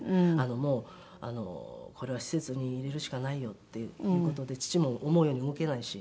もうこれは施設に入れるしかないよっていう事で父も思うように動けないし。